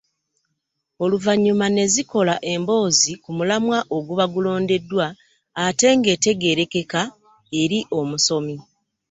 Oluvannyuma ne zikola emboozi ku mulamwa oguba gulondeddwa ate ng'etegeerekeka eri omusomi.